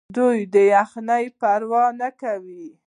دوی د یخنۍ پروا نه کوي.